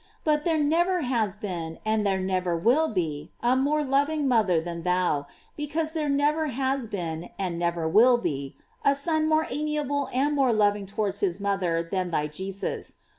But there never has been, and there never will be, a more loving mother than thou, because there never has been, and never will be, a son more amiable and more loving towards his mother than thy Jesus.